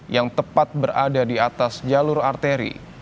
yang tepat berada di atas jalur arteri